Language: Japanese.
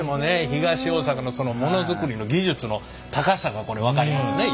東大阪のモノづくりの技術の高さがこれ分かりますね。